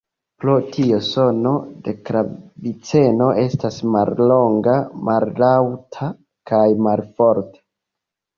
Pro tio sono de klaviceno estas mallonga, mallaŭta kaj malforta.